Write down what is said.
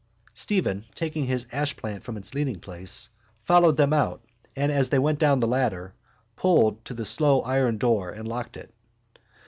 Stephen, taking his ashplant from its leaningplace, followed them out and, as they went down the ladder, pulled to the slow iron door and locked it.